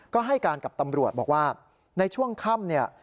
ก็ให้การกับตำรวจบอกว่าในช่วงค่ำเนี่ย